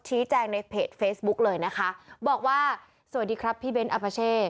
ในเพจเฟซบุ๊กเลยนะคะบอกว่าสวัสดีครับพี่เบ้นอัพเช่